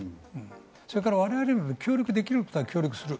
それから我々も協力できることは協力する。